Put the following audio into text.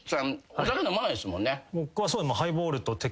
お酒飲まないっすもんね？